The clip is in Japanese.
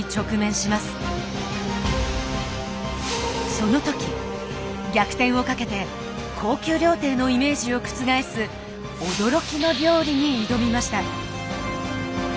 その時逆転をかけて高級料亭のイメージを覆す驚きの料理に挑みました。